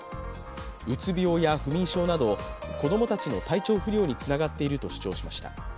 うつ病や不眠症など子供たちの体調不良につながっていると主張しました。